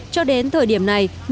cho đến thời điểm này